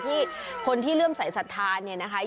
ที่คนที่เริ่มใส่สัทธาเนี่ยนะคะ